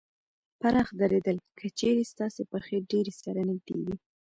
پراخ درېدل : که چېرې ستاسې پښې ډېرې سره نږدې وي